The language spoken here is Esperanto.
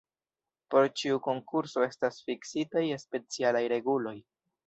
Por ĉiu konkurso estas fiksitaj specialaj reguloj.